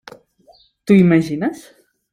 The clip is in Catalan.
T'ho imagines?